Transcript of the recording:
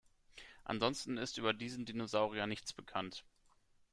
Ansonsten ist über diesen Dinosaurier nichts bekannt.